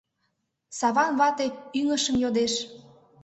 — Саван вате ӱҥышым йодеш.